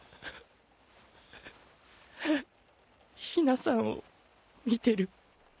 陽菜さんを見てる。